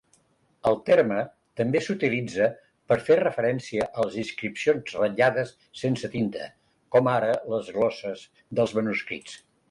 El terme també s'utilitza per fer referència a les inscripcions ratllades sense tinta, com ara les glosses dels manuscrits.